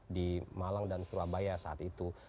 di malang dan surabaya saat itu